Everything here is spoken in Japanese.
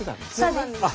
そうなんです。